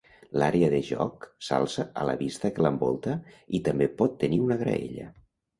L’àrea de joc s’alça a la vista que l'envolta i també pot tenir una graella.